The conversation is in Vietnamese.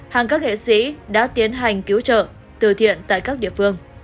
hàng các nghệ sĩ đã tiến hành cứu trợ từ thiện tại các địa phương